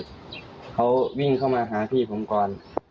เขาวิ่งเข้ามาหาพี่ผมก่อน